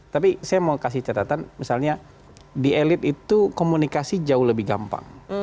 tapi saya mau kasih catatan misalnya di elit itu komunikasi jauh lebih gampang